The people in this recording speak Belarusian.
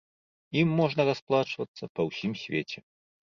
Ім можна расплачвацца па ўсім свеце.